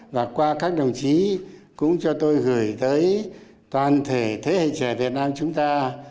và qua các đồng chí cũng cho tôi gửi tới toàn thể thế hệ trẻ việt nam chúng ta